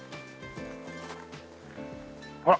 ほら！